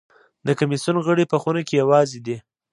د کمېسیون غړي په خونه کې یوازې دي.